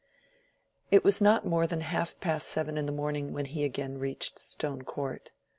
It was not more than half past seven in the morning when he again reached Stone Court.